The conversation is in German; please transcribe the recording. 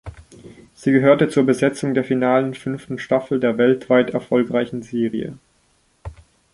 Sie gehörte zur Besetzung der finalen fünften Staffel der weltweit erfolgreichen Serie.